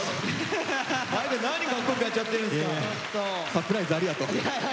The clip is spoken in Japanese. サプライズありがとう。